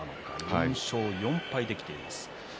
４勝４敗で、きています。